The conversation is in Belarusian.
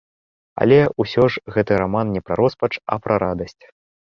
Але ўсё ж гэты раман не пра роспач, а пра радасць.